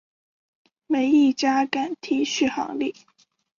没一家敢提续航力